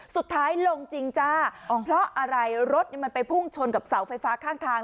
สุดท้ายลงจริงจ้าเพราะอะไรรถมันไปพุ่งชนกับเสาไฟฟ้าข้างทาง